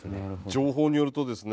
情報によるとですね